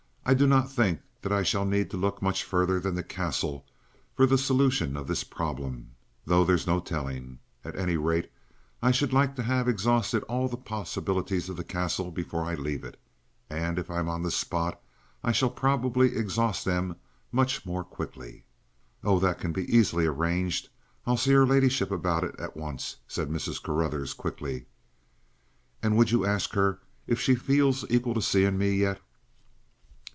I do not think that I shall need to look much further than the Castle for the solution of this problem, though there's no telling. At any rate, I should like to have exhausted all the possibilities of the Castle before I leave it. And if I'm on the spot, I shall probably exhaust them much more quickly." "Oh, that can easily be arranged. I'll see her ladyship about it at once," said Mrs. Carruthers quickly. "And would you ask her if she feels equal to seeing me yet?"